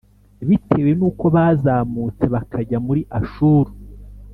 bitewe n’uko bazamutse bakajya muri Ashuru,